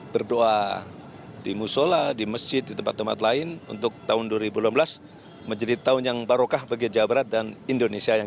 bagaimana dengan kota bandung